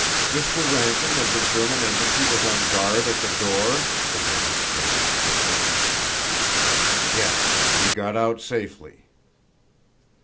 "Mr. Rankin of the German embassy was on guard at the door?" demanded the president quickly. "Yes. We got out safely."